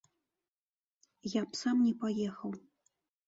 Я б сам не паехаў!